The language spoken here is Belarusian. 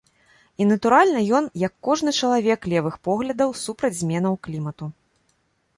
І, натуральна, ён, як кожны чалавек левых поглядаў, супраць зменаў клімату.